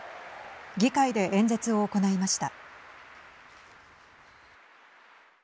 議会で演説を行いました。